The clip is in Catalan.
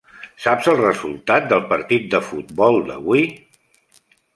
Saps el resultat del partit de futbol d'avui?